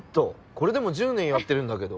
これでも１０年やってるんだけど。